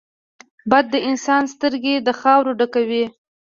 باد د انسان سترګې د خاورو ډکوي